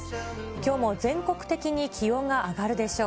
きょうも全国的に気温が上がるでしょう。